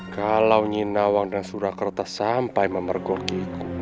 kalau nyinawang dan surakarta sampai memergokiku